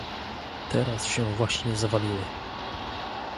Teraz się właśnie zawaliły